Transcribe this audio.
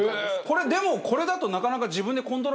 でもこれだとなかなか。